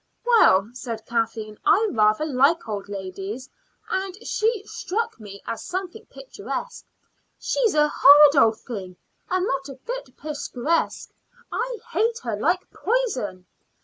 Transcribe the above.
"Well," said Kathleen, "I rather like old ladies, and she struck me as something picturesque." "She's a horrid old thing, and not a bit picturesque. I hate her like poison."